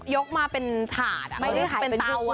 ยกมาเป็นถาดแหละไม่ได้ขายเป็นเตาอะ